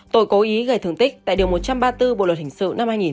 tội cố ý gây thương tích tại điều một trăm ba mươi bốn bộ luật hình sự năm hai nghìn một mươi